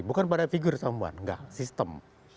bukan pada figur sama enggak sistem